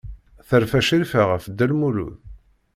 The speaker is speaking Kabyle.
Terfa Crifa ɣef Dda Lmulud?